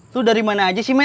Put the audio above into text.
lu dari mana aja sih mbak